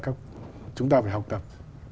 chúng ta phải học tập